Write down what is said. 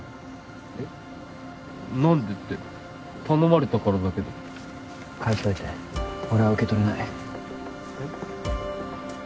えっ？何でって頼まれたからだけど返しといて俺は受け取れないえっ？